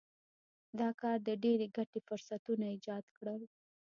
دا کار د ډېرې ګټې فرصتونه ایجاد کړل.